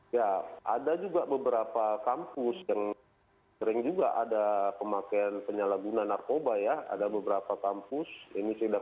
ya ada juga beberapa kampus yang sering juga ada pemakaian penyalahguna narkoba ya ada beberapa kampus ini sudah